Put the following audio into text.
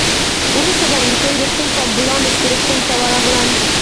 وروسته د امریکایي روغتون په امبولانس کې روغتون ته ورغلم.